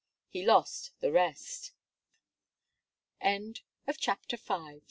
He lost the rest. CHAPTER VI.